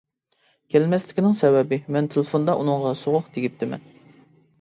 كەلمەسلىكىنىڭ سەۋەبى مەن تېلېفوندا ئۇنىڭغا سوغۇق تېگىپتىمەن.